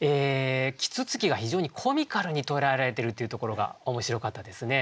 啄木鳥が非常にコミカルに捉えられてるっていうところが面白かったですね。